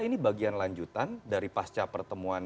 ini bagian lanjutan dari pasca pertemuan